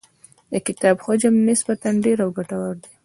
د کتاب حجم نسبتاً ډېر او ګټور دی.